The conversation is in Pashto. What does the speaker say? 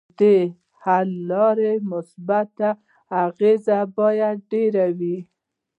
ددې حل لارو مثبتې اغیزې باید ډیرې وي.